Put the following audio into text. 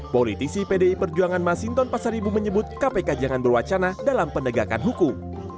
politisi pdi perjuangan masinton pasaribu menyebut kpk jangan berwacana dalam penegakan hukum